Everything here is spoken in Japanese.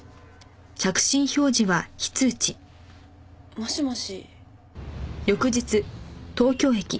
もしもし。